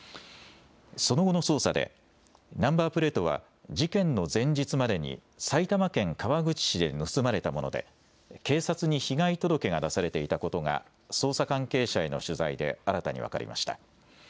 その後の捜査で、ナンバープレートは事件の前日までに、埼玉県川口市で盗まれたもので、警察に被害届が出されていたことが、捜査関係者への取材で新たに分かりました。